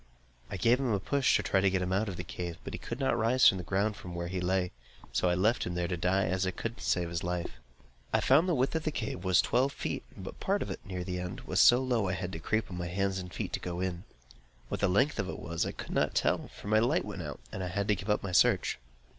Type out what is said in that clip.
I gave him a push, to try to get him out of the cave, but he could not rise from the ground where he lay; so I left him there to die, as I could not save his life. I found the width of the cave was twelve feet; but part of it, near the end, was so low that I had to creep on my hands and feet to go in. What the length of it was I could not tell, for my light went out, and I had to give up my search.